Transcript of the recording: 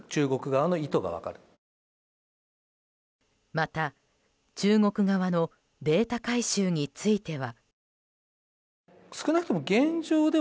また、中国側のデータ回収については。